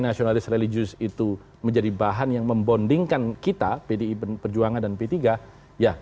nasionalis religius itu menjadi bahan yang membondingkan kita pdi perjuangan dan p tiga ya